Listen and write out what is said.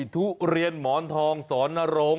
ทุเรียนหมอนทองสอนนโรง